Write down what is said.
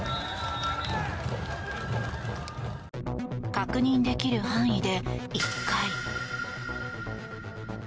確認できる範囲で１回。